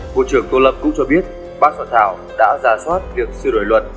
bộ trưởng tô lâm cũng cho biết bác sở thảo đã ra soát việc sửa đổi luật